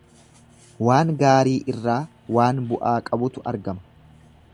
Waan gaarii irraa waan bu'aa qabutu argama.